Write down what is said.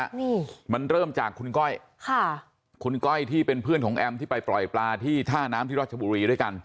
นี่มันเริ่มจากคุณก้อยค่ะคุณก้อยที่เป็นเพื่อนของแอมที่ไปปล่อยปลาที่ท่าน้ำที่รัชบุรีด้วยกัน